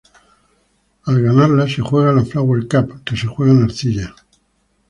Al ganarla, se juega la "Flower Cup", que se juega en arcilla.